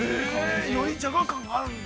◆よりじゃが感があるんだ。